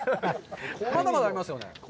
まだまだありますよ。